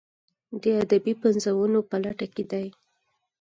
د ادبي پنځونو په لټه کې دي.